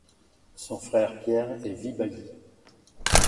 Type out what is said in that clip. Son frère Pierre est vibailli.